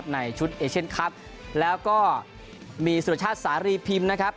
ในชุดเอเชนท์คลับแล้วก็มีสุดชาติสารีพิมพ์